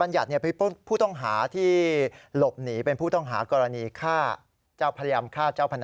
อัยัดคือ